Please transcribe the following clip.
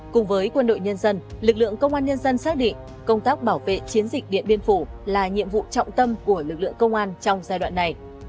cùng với quân đội nhân dân lực lượng công an nhân dân xác định công tác bảo vệ chiến dịch điện biên phủ là nhiệm vụ trọng tâm của lực lượng công an trong giai đoạn này